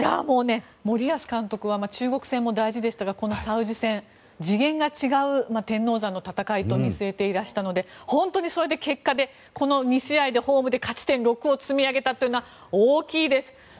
もう森保監督は中国戦も大事でしたがこのサウジ戦次元が違う天王山の戦いと見据えていらしたので本当にそれで結果でこの２試合でホームで勝ち点６を挙げたというのは大きいです。